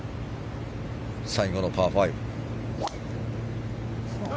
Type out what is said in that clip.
最後のパー５。